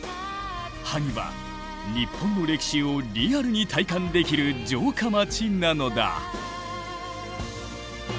萩は日本の歴史をリアルに体感できる城下町なのだ。